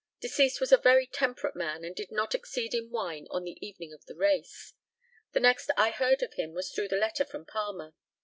Deceased was a very temperate man, and did not exceed in wine on the evening of the race. The next I heard of him was through the letter from Palmer.